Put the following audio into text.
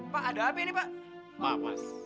pak ada apa ini pak